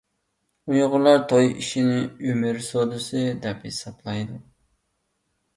ئۇيغۇرلار توي ئىشىنى «ئۆمۈر سودىسى» دەپ ھېسابلايدۇ.